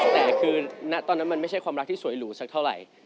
แต่คือณตอนนั้นมันไม่ใช่ความรักที่สวยหรูสักเท่าไหร่